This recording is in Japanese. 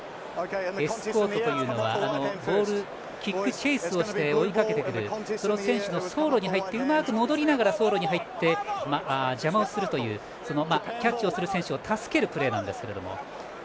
エスコートというのはキックチェイスして追いかけてくる選手に対しうまく戻りながら走路に入って邪魔をするというキャッチをする選手を助けるプレーなんですけれども。